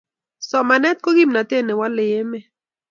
somanet ko kimnatet newalei emet